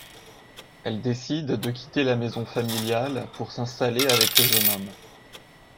Elle décide de quitter la maison familiale pour s'installer avec le jeune homme.